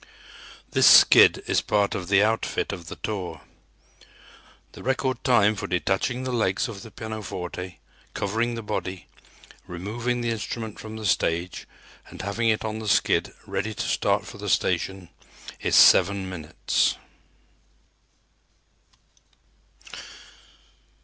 This skid is part of the outfit of the tour. The record time for detaching the legs of the pianoforte, covering the body, removing the instrument from the stage and having it on the skid ready to start for the station, is seven minutes.